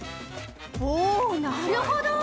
おぉなるほど！